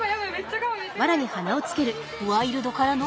ワイルドからの？